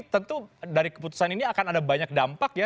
tentu dari keputusan ini akan ada banyak dampak ya